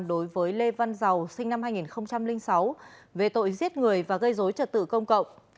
đối với lê văn giàu sinh năm hai nghìn sáu về tội giết người và gây dối trật tự công cộng